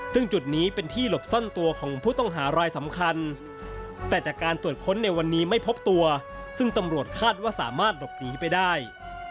ซึ่งจุดนี้เป็นที่หลบซ่อนตัวของผู้ต้องหารายสำคัญแต่จากการตรวจค้นในวันนี้ไม่พบตัวซึ่งตำรวจคาดว่าสามารถหลบหนีไปได้